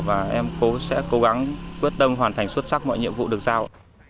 và em phố sẽ cố gắng quyết tâm hoàn thành xuất sắc mọi nhiệm vụ được giao